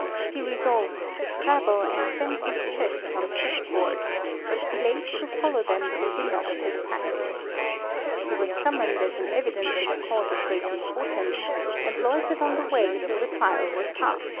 lr£e resolved to travel, and sent his chests on ship board but delayed to follow them till he lost his passage. He was summoned as an evidence in a cause of great importance, and loitered on the way till the trial was past.